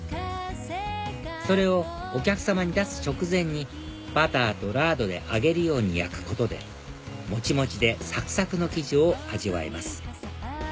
それをお客さまに出す直前にバターとラードで揚げるように焼くことでもちもちでサクサクの生地を味わえます